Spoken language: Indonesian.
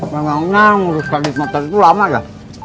memangnya ngurus kaget motor itu lama ya